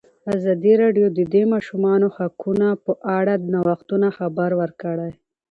ازادي راډیو د د ماشومانو حقونه په اړه د نوښتونو خبر ورکړی.